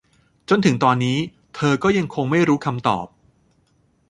จนถึงตอนนี้เธอก็ยังคงไม่รู้คำตอบ